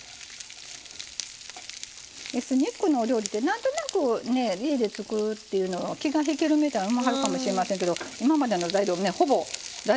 エスニックのお料理って何となく家で作るっていうの気がひけるみたいに思わはるかもしれませんけど今までの材料ほぼ大丈夫そうでしょ。